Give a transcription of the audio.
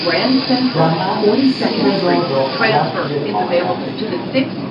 جمعا سی هزار داوطلب گردآمدند.